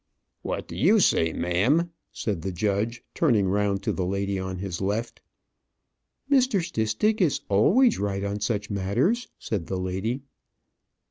"What do you say, ma'am?" said the judge, turning round to the lady on his left. "Mr. Stistick is always right on such matters," said the lady.